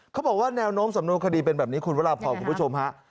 เขาบอกว่าแนวโน้มสำนวนคดีเป็นแบบนี้คุณวราพรคุณผู้ชมฮะ